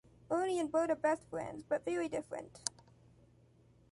Ernie and Bert are best friends, but very different.